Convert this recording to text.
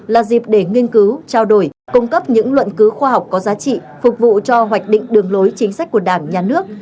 là dịp để nghiên cứu trao đổi cung cấp những luận cứu khoa học có giá trị phục vụ cho hoạch định đường lối chính sách của đảng nhà nước